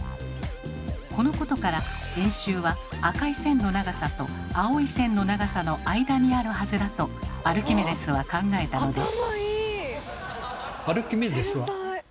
このことから円周は赤い線の長さと青い線の長さの間にあるはずだとアルキメデスは考えたのです。